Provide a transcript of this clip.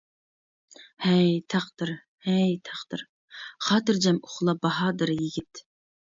ھەي، تەقدىر، ھەي تەقدىر. خاتىرجەم ئۇخلا باھادىر يىگىت.